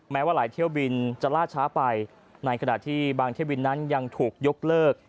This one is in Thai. ว่าหลายเที่ยวบินจะล่าช้าไปในขณะที่บางเที่ยวบินนั้นยังถูกยกเลิก